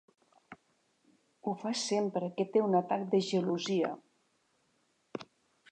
Ho fa sempre que té un atac de gelosia.